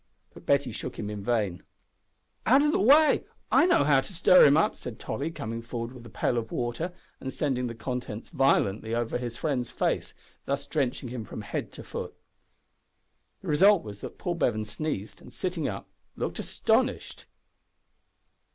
But Betty shook him in vain. "Out o' the way, I know how to stir him up," said Tolly, coming forward with a pail of water and sending the contents violently into his friend's face thus drenching him from head to foot. The result was that Paul Bevan sneezed, and, sitting up, looked astonished.